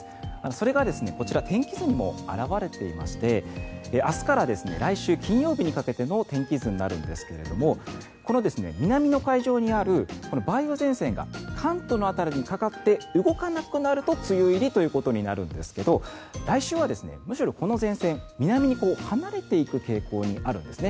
それがこちら天気図にも表れていまして明日から来週金曜日にかけての天気図になるんですがこの南の海上にある梅雨前線が関東の辺りにかかって動かなくなると梅雨入りということになるんですけど来週はむしろこの前線南に離れていく傾向があるんです。